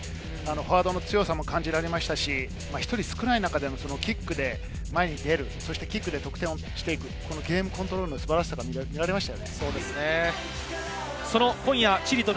フォワードの強さも感じられましたし、１人少ない中でのキックで前に出る、キックで得点していく、ゲームコントロールの素晴らしさが見られました。